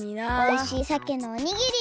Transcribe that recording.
おいしいサケのおにぎり。